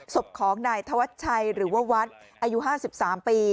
ศพของนายธวัชชัยหรือว่าวัดอายุ๕๓ปี